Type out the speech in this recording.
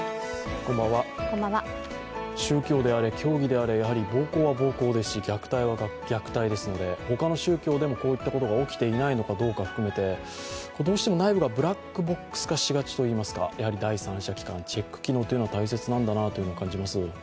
宗教であれ教義であれ、暴行は暴行ですし、虐待は虐待ですので、ほかの宗教でもこういったことが起きていないのかどうか含めて、どうしても内部がブラックボックス化しがちといいますか、やはり第三者機関、チェック機能というのは大事なんだなと感じます。